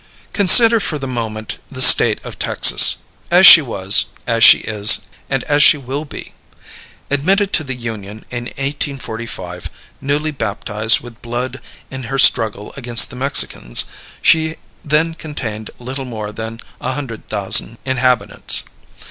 Consider for a moment the State of Texas as she was, as she is, and as she will be. Admitted to the Union in 1845, newly baptized with blood in her struggle against the Mexicans, she then contained little more than a hundred thousand inhabitants.